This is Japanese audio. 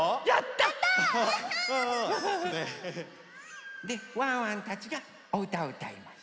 やった！でワンワンたちがおうたをうたいます。